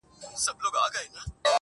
د الف لیله و لیله د کتاب د ریچارډ !